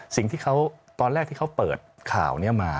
สิ่งที่เขาตอนแรกที่เขาเปิดข่าวนี้มา